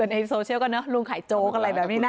ในโซเชียลก็เนอะลุงขายโจ๊กอะไรแบบนี้นะ